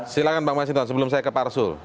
silahkan pak masinton sebelum saya keparsul